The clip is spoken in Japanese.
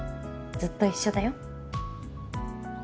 ずっと一緒だよ